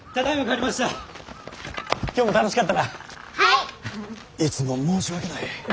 いつも申し訳ない。